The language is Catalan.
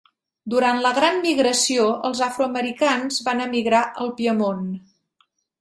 Durant la Gran Migració, els afroamericans van emigrar al Piemont.